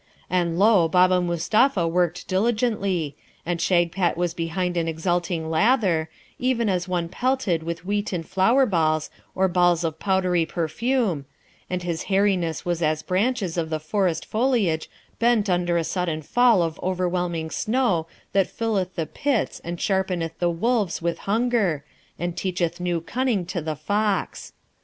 And lo, Baba Mustapha worked diligently, and Shagpat was behind an exulting lather, even as one pelted with wheaten flour balls or balls of powdery perfume, and his hairiness was as branches of the forest foliage bent under a sudden fall of overwhelming snow that filleth the pits and sharpeneth the wolves with hunger, and teacheth new cunning to the fox.